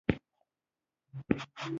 ښه خبرې د ژوند ښکلا ده.